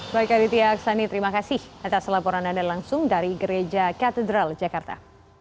baik aditya aksani terima kasih atas laporan anda langsung dari gereja katedral jakarta